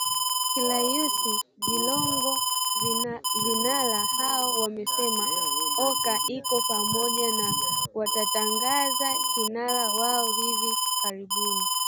Cyrus Jirongo vinara hao wanasema Oka iko pamoja na watatangaza kinara wao hivi karibuni